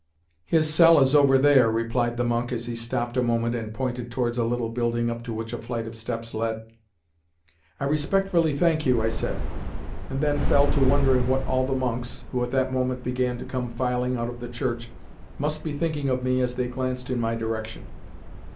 "His cell is over there," replied the monk as he stopped a moment and pointed towards a little building up to which a flight of steps led. "I respectfully thank you," I said, and then fell to wondering what all the monks (who at that moment began to come filing out of the church) must be thinking of me as they glanced in my direction.